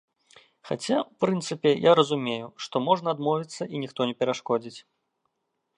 Хаця, у прынцыпе, я разумею, што можна адмовіцца і ніхто не перашкодзіць.